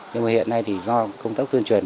nhưng mà hiện nay thì do công tác tuyên truyền